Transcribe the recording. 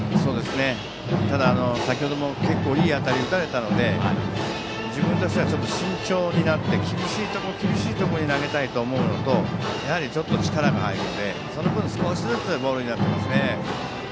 ただ、先程も結構、いい当たりを打たれたので自分としては慎重になって厳しいところ、厳しいところに投げたいと思うのとちょっと力が入るのでその分、少しずつボールになってますね。